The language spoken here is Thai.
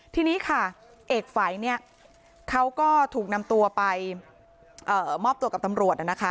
ทีนี้ค่ะเอกฝัยเนี่ยเขาก็ถูกนำตัวไปมอบตัวกับตำรวจนะคะ